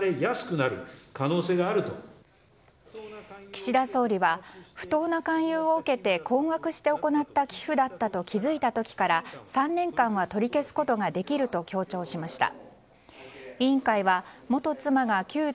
岸田総理は不当な勧誘を受けて困惑して行った寄付だったと気づいた時から３年間は取り消すことができると強調しました。